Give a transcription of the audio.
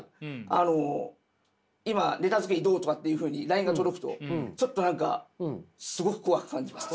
あの「今ネタ作りどう？」とかっていうふうにＬＩＮＥが届くとちょっと何かすごく怖く感じます。